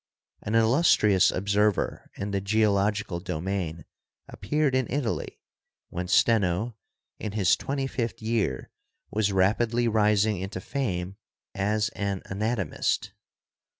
An il lustrious observer in the geological domain appeared in Italy when Steno, in his twenty fifth year, was rapidly rising into fame as an anatomist.